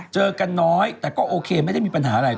เจอกันน้อยแต่ก็โอเคไม่ได้มีปัญหาอะไร